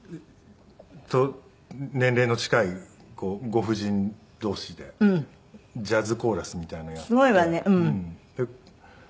年齢の近いご婦人同士でジャズコーラスみたいなのやって。